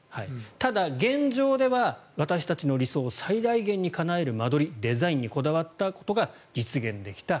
ただ、現状では私たちの理想を最大限にかなえる間取りデザインにこだわったことが実現できた。